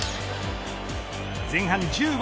前半１５分